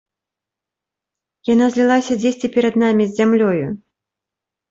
Яна злілася дзесьці перад намі з зямлёю.